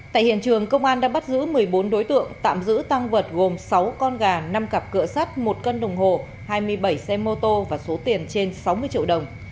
tại hiện trường công an đã bắt giữ một mươi bốn đối tượng tạm giữ tăng vật gồm sáu con gà năm cặp cửa sắt một cân đồng hồ hai mươi bảy xe mô tô và số tiền trên sáu mươi triệu đồng